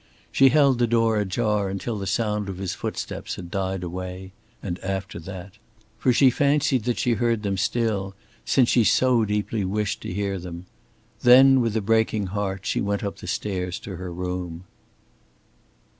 She held the door ajar until the sound of his footsteps had died away and after that. For she fancied that she heard them still, since, she so deeply wished to hear them. Then with a breaking heart she went up the stairs to her room.